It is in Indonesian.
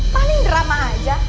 paling drama aja